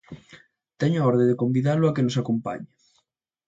Teño a orde de convidalo a que nos acompañe.